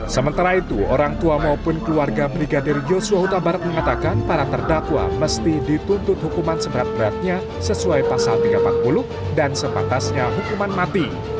sementara itu orang tua maupun keluarga brigadir yosua huta barat mengatakan para terdakwa mesti dituntut hukuman seberat beratnya sesuai pasal tiga ratus empat puluh dan sepatasnya hukuman mati